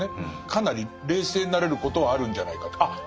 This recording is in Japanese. かなり冷静になれることはあるんじゃないかって。